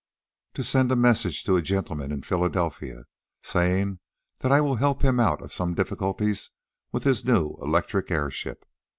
"To send a message to a gentleman in Philadelphia, saying that I will help him out of some difficulties with his new electric airship.